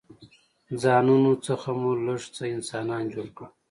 ځانونو څخه مو لږ څه انسانان جوړ کړل.